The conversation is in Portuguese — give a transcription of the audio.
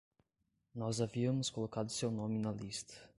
Nós havíamos colocado seu nome na lista.